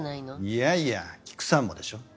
いやいやキクさんもでしょう？